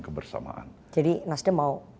kebersamaan jadi nasdem mau